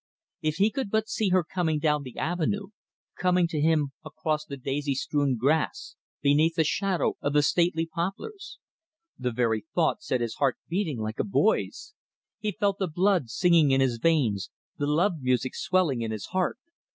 If he could but see her coming down the avenue, coming to him across the daisy strewn grass, beneath the shadow of the stately poplars! The very thought set his heart beating like a boy's. He felt the blood singing in his veins, the love music swelling in his heart.